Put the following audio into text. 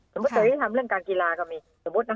สมมุติเจริญธรรมเรื่องการกีฬาก็มีสมมุตินะคะ